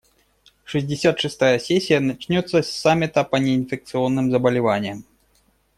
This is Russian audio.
Шестьдесят шестая сессия начнется с саммита по неинфекционным заболеваниям.